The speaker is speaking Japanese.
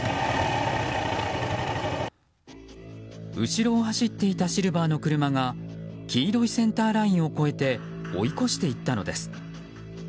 後ろを走っていたシルバーの車が黄色いセンターラインを越えて追い越していったのです。